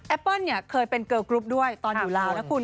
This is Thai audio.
เปิ้ลเนี่ยเคยเป็นเกอร์กรุ๊ปด้วยตอนอยู่ลาวนะคุณ